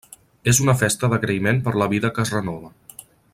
És una festa d'agraïment per la vida que es renova.